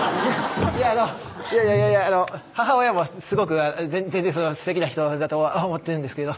いやあのいやいやいや母親もすごく全然すてきな人だとは思ってるんですけど